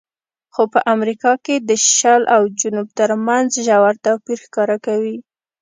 خو په امریکا کې د شل او جنوب ترمنځ ژور توپیر ښکاره کوي.